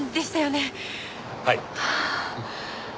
はい。